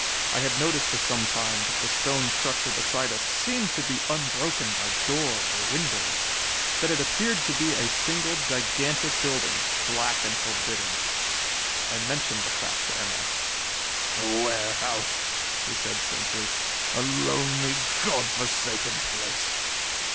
I had noticed for some time that the stone structure beside us seemed to be unbroken by door or window that it appeared to be a single gigantic building, black and forbidding. I mentioned the fact to M. S. "The warehouse," he said simply. "A lonely, God forsaken place.